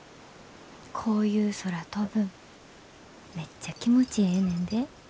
こういう空飛ぶんめっちゃ気持ちええねんで。